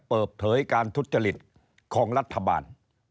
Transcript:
เปิบเผยการทุฏรฤทธิ์ของรัฐบาล